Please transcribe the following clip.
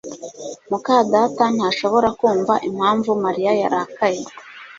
muka data ntashobora kumva impamvu Mariya yarakaye cyane